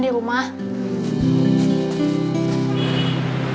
aku udah sarapan